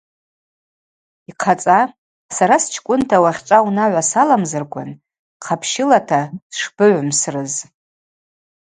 Йхъацӏа сара счкӏвынта уахьчӏва унагӏва саламзарквын хъапщылата сшбыгӏвымсрыз.